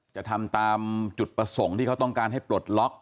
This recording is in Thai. จะทำตามจุดประสงค์ที่เขาต้องการให้ปลดล็อก